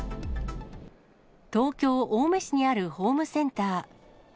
東京・青梅市にあるホームセンター。